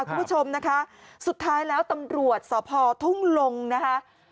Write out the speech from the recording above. คุณผู้ชมนะคะสุดท้ายแล้วตำรวจสพทุ่งลงนะคะ